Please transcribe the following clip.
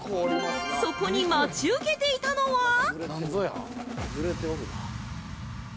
そこに待ち受けていたのは◆何ぞや？